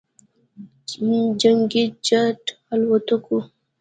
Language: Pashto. جنګي جت الوتکو